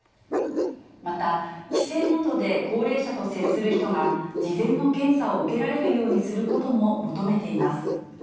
また、帰省などで高齢者と接する人が、事前の検査を受けられるようにすることも求めています。